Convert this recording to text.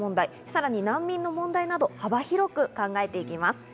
さらに難民の問題など、幅広く考えていきます。